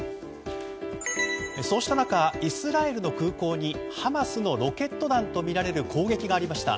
そうした中イスラエルの空港にハマスのロケット弾とみられる攻撃がありました。